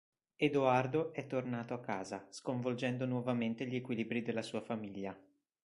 Edoardo è tornato a casa, sconvolgendo nuovamente gli equilibri della sua famiglia.